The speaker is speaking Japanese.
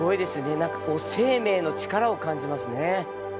何かこう生命の力を感じますね。